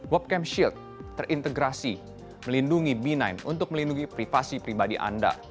web camp shield terintegrasi melindungi b sembilan untuk melindungi privasi pribadi anda